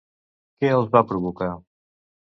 Què els va provocar?